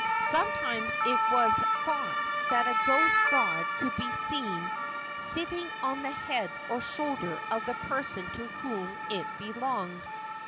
Sometimes it was thought that a ghost god could be seen sitting on the head or shoulder of the person to whom it belonged.